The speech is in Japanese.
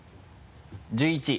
１１位。